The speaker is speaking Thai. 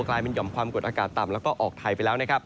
กลายเป็นหอมความกดอากาศต่ำแล้วก็ออกไทยไปแล้วนะครับ